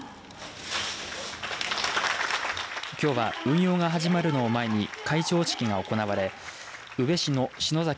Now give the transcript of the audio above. きょうは運用が始まるのを前に開帳式が行われ宇部市の篠崎